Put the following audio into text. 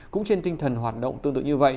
cũng trên tinh thần hoạt động tương tự như vậy